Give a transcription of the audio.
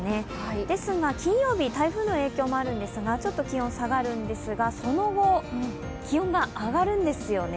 ですが、金曜日、台風の影響もあるんですが、ちょっと気温が下がるんですが、その後、気温が上がるんですよね。